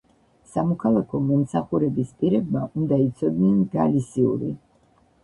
სამოქალაქო მომსახურების პირებმა უნდა იცოდნენ გალისიური.